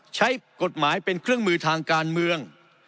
ใช้กฎหมายเป็นเครื่องมือทางการเมือง